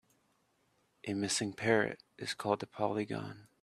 A missing parrot is called a polygon.